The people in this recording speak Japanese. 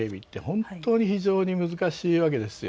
本当に、非常に難しいわけですよ。